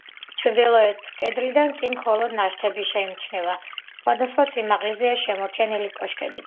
ჩრდილოეთ კედლიდან კი, მხოლოდ ნაშთები შეიმჩნევა, სხვადასხვა სიმაღლეზეა შემორჩენილი კოშკებიც.